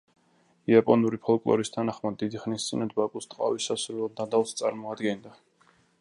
იაპონური ფოლკლორის თანახმად, დიდი ხნის წინათ ბაკუს ტყავი სასურველ ნადავლს წარმოადგენდა.